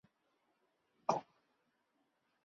现藏于雅典国家考古博物馆。